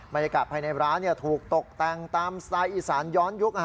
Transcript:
บรรยากาศภายในร้านถูกตกแต่งตามสไตล์อีสานย้อนยุค